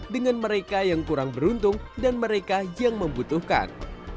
dengan mereka yang kurang beruntung dan mereka yang membutuhkan